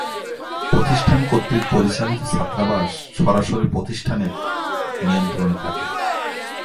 প্রতিষ্ঠান কর্তৃক পরিচালিত ছাত্রাবাস সরাসরি প্রতিষ্ঠানের নিয়ন্ত্রণে থাকে।